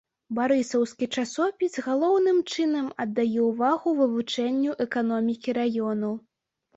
Барысаўскі часопіс галоўным чынам аддае ўвагу вывучэнню эканомікі раёну.